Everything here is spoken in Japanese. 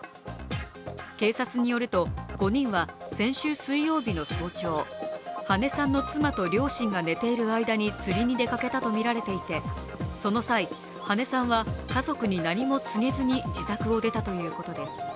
警察によると、５人は先週水曜日の早朝、羽根さんと妻と両親が寝ている間につりに出かけたとみられていてその際、羽根さんは家族に何も告げずに自宅を出たということです。